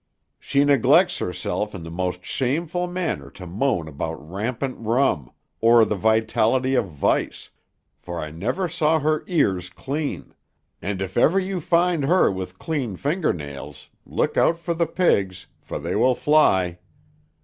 She neglects herself in the most shameful manner to moan about Rampant Rum, or the Vitality of Vice, for I never saw her ears clean, and if ever you find her with clean finger nails, look out for the pigs, for they will fly.